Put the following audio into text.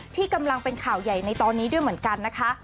ที่กำลังเป็นข่าวใหญ่ในตอนนี้ด้วยเหมือนกันนะคะ